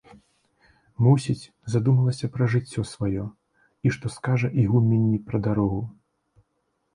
Мусіць, задумалася пра жыццё свае і што скажа ігуменні пра дарогу.